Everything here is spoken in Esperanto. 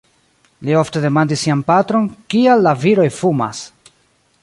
Li ofte demandis sian patron, kial la viroj fumas.